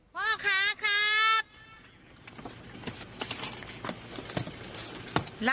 พ่อค้าครับ